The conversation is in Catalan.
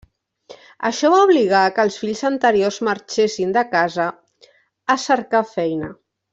Això va obligar que els fills anteriors marxessin de casa a cercar feina.